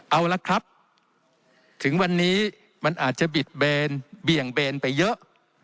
เอาละครับถึงวันนี้มันอาจจะบิดเบนเบี่ยงเบนไปเยอะ